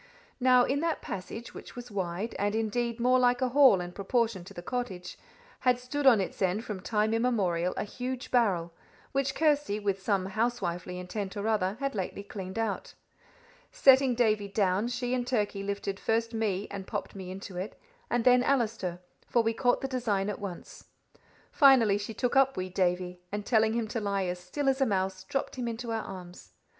Now, in that passage, which was wide, and indeed more like a hall in proportion to the cottage, had stood on its end from time immemorial a huge barrel, which Kirsty, with some housewifely intent or other, had lately cleaned out. Setting Davie down, she and Turkey lifted first me and popped me into it, and then Allister, for we caught the design at once. Finally she took up wee Davie, and telling him to lie as still as a mouse, dropped him into our arms.